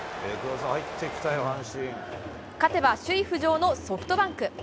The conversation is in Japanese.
勝てば首位浮上のソフトバンク。